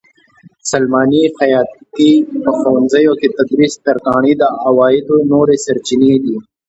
سلماني؛ خیاطي؛ په ښوونځیو کې تدریس؛ ترکاڼي د عوایدو نورې سرچینې دي.